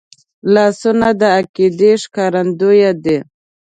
لاسونه د عقیدې ښکارندوی دي